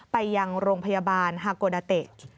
ไปยังโรงพยาบาลฮาโกดาเตะ